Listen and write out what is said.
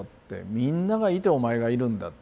みんながいてお前がいるんだ。